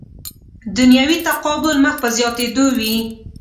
دنیوي تقابل مخ په زیاتېدو وي.